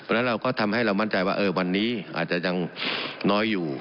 แล้วเราก็ทำให้เรามั่นใจว่าวันนี้อาจจะยังน้อยอยู่